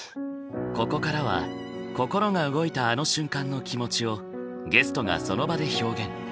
ここからは心が動いたあの瞬間の気持ちをゲストがその場で表現。